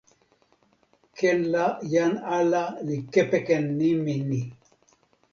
ken la jan ala li kepeken nimi ni.